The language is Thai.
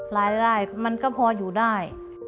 รายได้มันก็พออยู่ได้